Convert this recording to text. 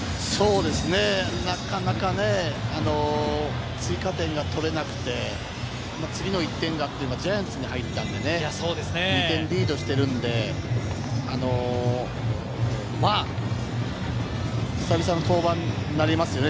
なかなか追加点が取れなくて、次の１点がジャイアンツに入ったのでね、２点リードしてるんで、久々の登板になりますよね。